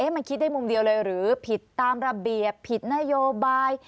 มันคิดได้มุมเดียวเลยหรือผิดตามระเบียบผิดนโยบาย